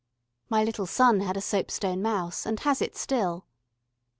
My little son had a soap stone mouse, and has it still.